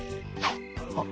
あっ。